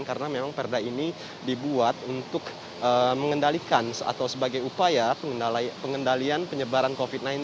karena memang perda ini dibuat untuk mengendalikan atau sebagai upaya pengendalian penyebaran covid sembilan belas